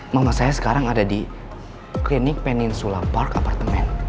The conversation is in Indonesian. mama saya sekarang ada di klinik peninsulapark apartemen